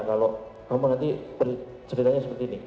kalau kamu nanti berceritanya seperti ini